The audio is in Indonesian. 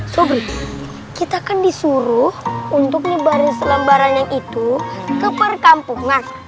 sobir kita kan disuruh untuk nyebarin selembaran yang itu ke perkampungan